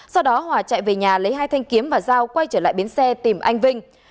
sau đó hòa chạy về nhà lấy hai thanh kiếm và giao quay trở lại bến xe tìm anh vinh